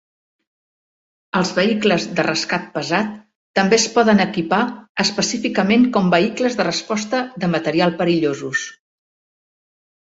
Els vehicles de rescat pesat també es poden equipa específicament com vehicles de resposta de material perillosos.